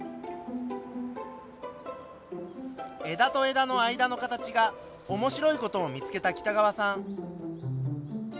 枝と枝の間の形が面白い事を見つけたきたがわさん。